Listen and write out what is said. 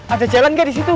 ada jalan gak disitu